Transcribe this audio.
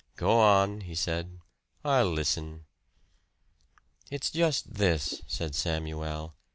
"Go on," he said. "I'll listen." "It's just this," said Samuel.